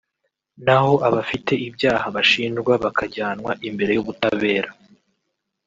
naho abafite ibyaha bashinjwa bakajyanwa imbere y’ubutabera